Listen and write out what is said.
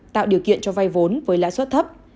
tạo điều kiện cho vay vốn với lãi suất thấp